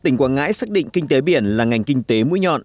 tỉnh quảng ngãi xác định kinh tế biển là ngành kinh tế mũi nhọn